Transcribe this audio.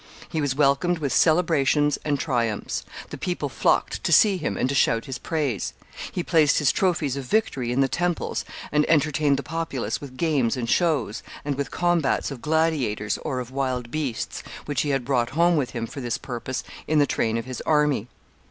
He was welcomed with celebrations and triumphs; the people flocked to see him and to shout his praise. He placed his trophies of victory in the temples, and entertained the populace with games and shows, and with combats of gladiators or of wild beasts, which he had brought home with him for this purpose in the train of his army.